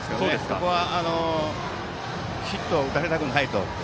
ここはヒットを打たれたくないと。